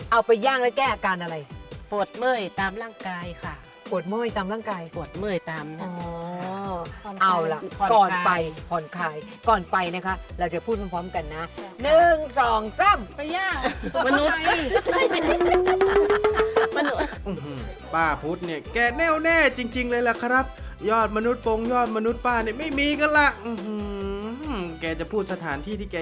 เอาไปย่างค่ะควบคุณค่ะควบคุณค่ะควบคุณค่ะควบคุณค่ะควบคุณค่ะควบคุณค่ะควบคุณค่ะควบคุณค่ะควบคุณค่ะควบคุณค่ะควบคุณค่ะควบคุณค่ะควบคุณค่ะควบคุณค่ะควบคุณค่ะควบคุณค่ะควบคุณค่ะควบคุณค่ะควบคุณค่ะควบคุณค่ะควบคุณค่ะ